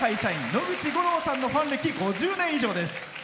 野口五郎さんのファン歴５０年以上です。